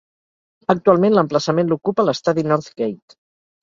Actualment l'emplaçament l'ocupa l'estadi Northgate.